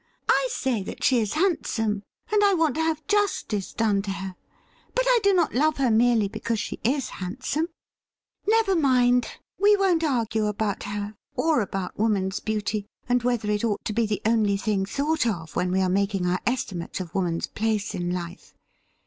I say that she is handsome, and I want to have justice done to her ; but I do not love her merely because she is hand some. Never mind, we won't argue about her, or about woman's beauty, and whether it ought to be the only thing thought of when we are making our estimate of woman's place in life.